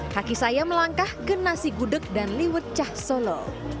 kaki saya melangkah ke nasi gudeg dan liwet cah solo